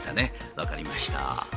分かりました。